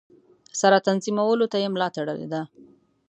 سره تنظیمولو ته یې ملا تړلې ده.